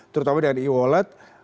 terutama dengan e wallet